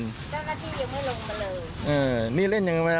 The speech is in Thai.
เจ้าหน้าที่ยังไม่ลงมาเลย